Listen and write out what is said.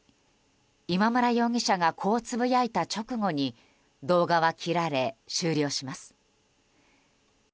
今村容疑者がこうつぶやいた直後に動画は切られ、終了します。